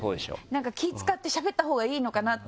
なんか気使ってしゃべったほうがいいのかなって。